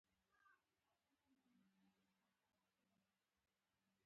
زما خوشحالي به هغه وخت لا دوه چنده کېده.